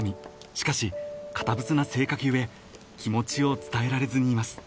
［しかし堅物な性格ゆえ気持ちを伝えられずにいます］